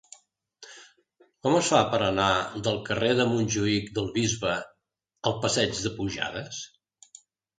Com es fa per anar del carrer de Montjuïc del Bisbe al passeig de Pujades?